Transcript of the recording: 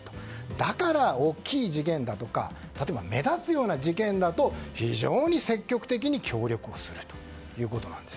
だから大きい事件だとか目立つような事件だと非常に積極的に協力をするということなんです。